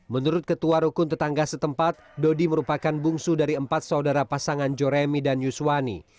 menurut ketua rukun tetangga setempat dodi merupakan bungsu dari empat saudara pasangan joremi dan yuswani